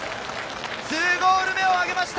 ２ゴール目をあげました。